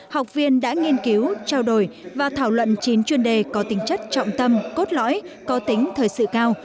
học viên đã nghiên cứu trao đổi và thảo luận chín chuyên đề có tính chất trọng tâm cốt lõi có tính thời sự cao